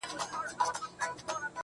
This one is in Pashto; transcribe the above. ځي له وطنه خو په هر قدم و شاته ګوري.